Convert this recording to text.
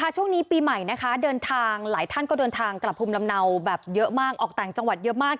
ช่วงนี้ปีใหม่นะคะเดินทางหลายท่านก็เดินทางกลับภูมิลำเนาแบบเยอะมากออกต่างจังหวัดเยอะมาก